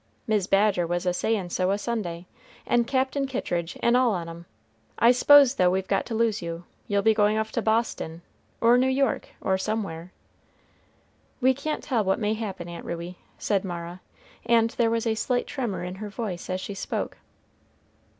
Mis' Badger was a sayin' so a Sunday, and Cap'n Kittridge and all on 'em. I s'pose though we've got to lose you, you'll be goin' off to Boston, or New York, or somewhere." "We can't tell what may happen, Aunt Ruey," said Mara, and there was a slight tremor in her voice as she spoke.